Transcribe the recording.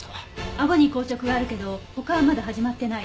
あごに硬直があるけど他はまだ始まってない。